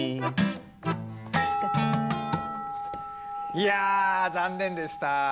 いや残念でした。